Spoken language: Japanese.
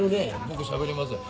「僕しゃべりますよ」